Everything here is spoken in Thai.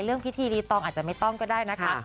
เรื่องพิธีรีตองอาจจะไม่ต้องก็ได้นะคะ